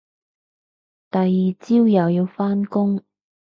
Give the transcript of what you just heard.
第二朝又要返工